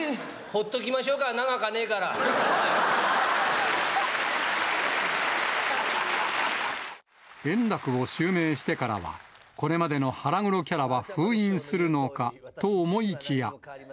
ほっときましょうか、円楽を襲名してからは、これまでの腹黒キャラは封印するのかと思いきや。